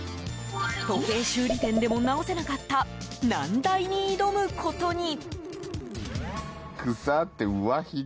時計修理店でも直せなかった難題に挑むことに。